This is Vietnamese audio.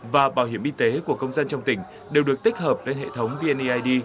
các tiệm y tế của công dân trong tỉnh đều được tích hợp lên hệ thống vneid